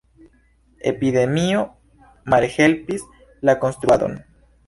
Epidemio malhelpis la konstruadon.